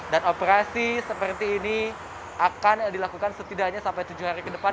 dan operasi seperti ini akan dilakukan setidaknya sampai tujuh hari ke depan